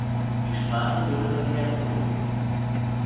Die Straße wurde verkehrsberuhigt.